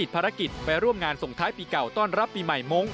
ภารกิจไปร่วมงานส่งท้ายปีเก่าต้อนรับปีใหม่มงค